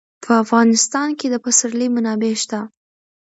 په افغانستان کې د پسرلی منابع شته.